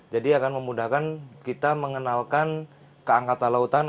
jadi akan memudahkan kita mengenalkan keangkatan lautan